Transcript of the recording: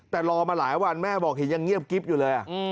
แต่รอมาหลายวันแม่บอกเห็นยังเงียบกิ๊บอยู่เลย